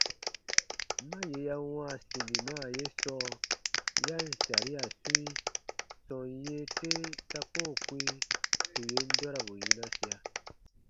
Ma yè ya wãa sinima ye sɔɔ ya ǹ saria swĩi, sɔm yee te ta koo kpĩ tù yen dɔrabu yinasia.